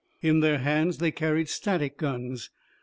In their hands, they carried static guns.